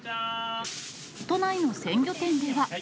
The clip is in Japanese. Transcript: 都内の鮮魚店では。